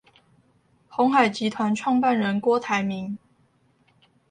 鴻海集團創辦人郭台銘